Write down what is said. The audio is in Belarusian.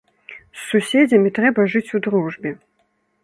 З суседзямі трэба жыць у дружбе.